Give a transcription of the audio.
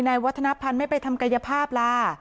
วัฒนภัณฑ์ไม่ไปทำกายภาพล่ะ